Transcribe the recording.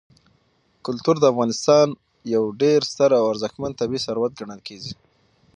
کلتور د افغانستان یو ډېر ستر او ارزښتمن طبعي ثروت ګڼل کېږي.